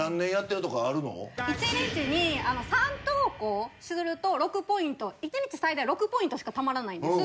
１日に３投稿すると６ポイント１日最大６ポイントしかたまらないんです。